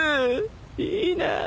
いいなぁ。